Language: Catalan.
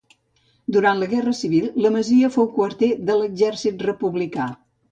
Durant la Guerra Civil la masia fou quarter de l'exèrcit republicà.